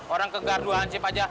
orang kegarduan aja